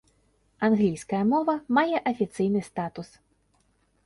Англійская мова мае афіцыйны статус.